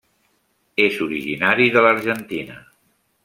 És originari de l'Argentina.